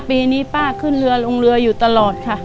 ปีนี้ป้าขึ้นเรือลงเรืออยู่ตลอดค่ะ